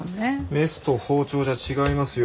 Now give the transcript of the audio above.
メスと包丁じゃ違いますよ。